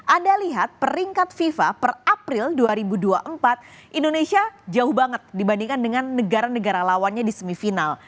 anda lihat peringkat fifa per april dua ribu dua puluh empat indonesia jauh banget dibandingkan dengan negara negara lawannya di semifinal